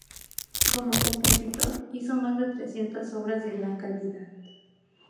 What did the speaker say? Como compositor hizo más de trescientas obras, de gran calidad.